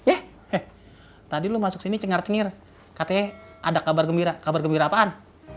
eh eh tadi lu masuk sini cengar cengir katanya ada kabar gembira kabar gembira apaan